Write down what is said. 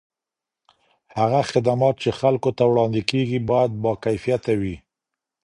هغه خدمات چي خلګو ته وړاندې کیږي باید با کیفیته وي.